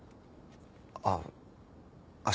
あっ明日